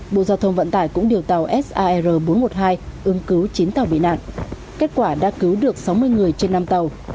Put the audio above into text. bộ giao thông vận tải cũng điều tàu sar bốn trăm một mươi hai ứng cứu chín tàu bị nạn kết quả đã cứu được sáu mươi người trên năm tàu